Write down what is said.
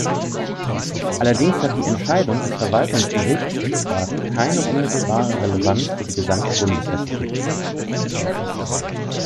Allerdings hat die Entscheidung des Verwaltungsgerichts Wiesbaden keine unmittelbare Relevanz für die gesamte Bundesrepublik.